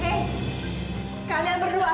hei kalian berdua